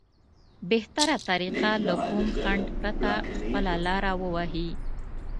بهتره طريقه له کوم خنډ پرته خپله لاره ووهي.